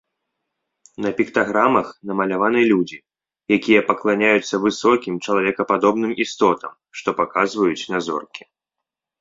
На піктаграмах намаляваны людзі, якія пакланяюцца высокім чалавекападобным істотам, што паказваюць на зоркі.